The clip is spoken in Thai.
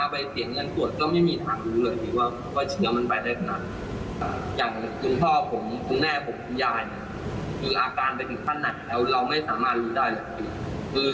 คุณแม่คุณยายอาการไปถึงขั้นไหนแล้วเราไม่สามารถรู้ได้